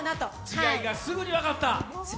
違いがすぐに分かった。